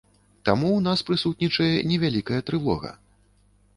Таму ў нас прысутнічае невялікая трывога.